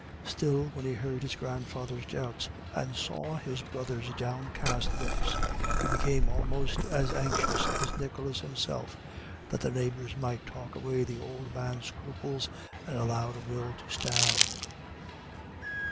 Still, when he heard his grandfather's doubts, and saw his brother's downcast looks, he became almost as anxious as Nicholas himself that the neighbours might talk away the old man's scruples and allow the will to stand.